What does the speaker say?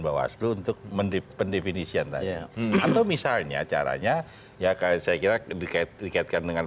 bawaslu untuk mendefinisian atau misalnya caranya ya kayak saya kira ke deket deketkan dengan